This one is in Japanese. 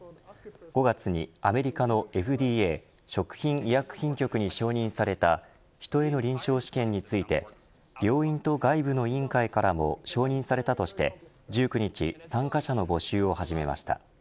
５月にアメリカのＦＤＡ＝食品医薬品局に承認された人への臨床試験について病院と外部の委員会からも承認されたとして１９日参加者の募集を始めました。